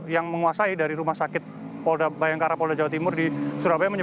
yang menguasai dari rumah sakit bayangkara polda jawa timur di surabaya